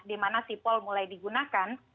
dimana sipol mulai digunakan